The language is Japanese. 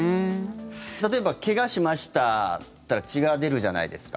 例えば、怪我しましたって血が出るじゃないですか。